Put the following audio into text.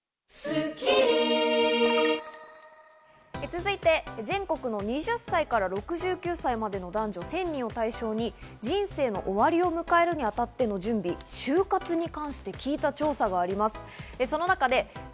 続いて、全国の２０歳から６９歳までの男女１０００人を対象に人生の終わりを迎えるに当たっての準備、終活に関して聞いた調査があります。